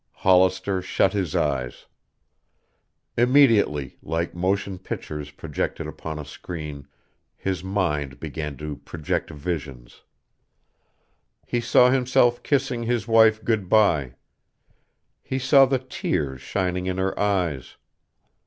Hollister shut his eyes. Immediately, like motion pictures projected upon a screen, his mind began to project visions. He saw himself kissing his wife good by. He saw the tears shining in her eyes.